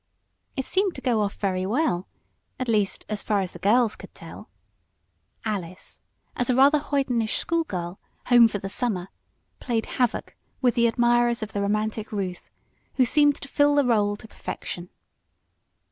It seemed to go off very well at least, as far as the girls could tell. Alice, as a rather hoydenish school girl, home for the summer, played havoc with the admirers of the romantic Ruth, who seemed to fill the rôle to perfection.